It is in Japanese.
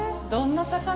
どんな魚？